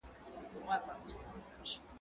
زه سينه سپين نه کوم؟